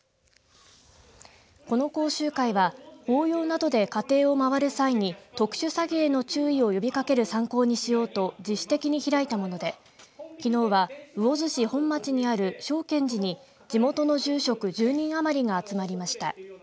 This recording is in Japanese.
この講習会は法要などで家庭を回る際に特殊詐欺への注意を呼びかける参考にしようと自主的に開いたもので、きのうは魚津市本町にある照顕寺に地元の住職１０人余りが集まりました。